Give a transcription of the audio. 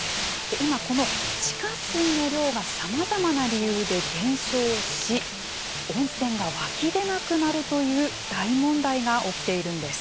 今この地下水の量がさまざまな理由で減少し温泉が湧き出なくなるという大問題が起きているんです。